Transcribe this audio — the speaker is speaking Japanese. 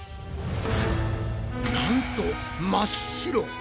なんと真っ白！